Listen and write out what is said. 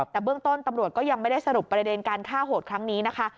แต่เบื้องต้นตำรวจก็ยังไม่ได้สรุปประเด็นการฆ่าโหดครั้งนี้นะคะ